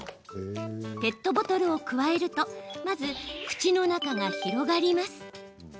ペットボトルをくわえるとまず、口の中が広がります。